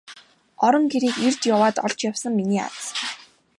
Орон гэрийг эрж яваад олж явсан миний аз.